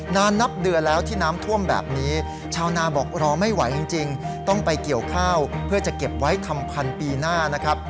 นานนับเดือนแล้วที่น้ำท่วมแบบนี้ชาวนาบอกรอไม่ไหวจริงต้องไปเกี่ยวข้าวเพื่อจะเก็บไว้ทำพันธุ์ปีหน้านะครับ